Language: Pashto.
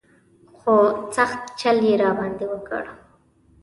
خو سخت چل یې را باندې وکړ.